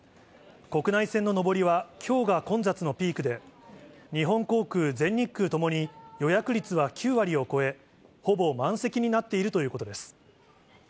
国内線の上りはきょうが混雑のピークで、日本航空、全日空ともに予約率は９割を超え、ほぼ満席になっているということです。